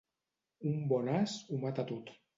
Un bon as ho mata tot.